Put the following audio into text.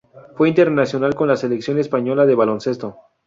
Fue internacional con la selección española de baloncesto.